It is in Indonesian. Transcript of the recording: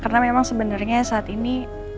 karena memang sebenernya saat ini